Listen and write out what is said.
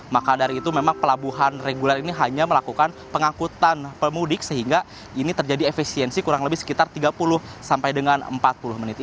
maka dari itu memang pelabuhan reguler ini hanya melakukan pengangkutan pemudik sehingga ini terjadi efisiensi kurang lebih sekitar tiga puluh sampai dengan empat puluh menit